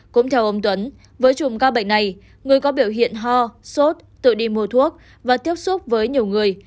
cũng theo ông tuấn với chùm ca bệnh này người có biểu hiện ho sốt tự đi mua thuốc và tiếp xúc với nhiều người